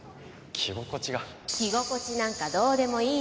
着心地なんかどうでもいいのよ。